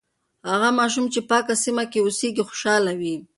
هغه ماشوم چې په پاکه سیمه کې اوسیږي، خوشاله وي.